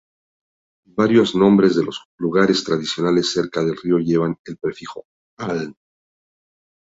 Varios nombres de los lugares tradicionales cerca del río llevan el prefijo "aln-".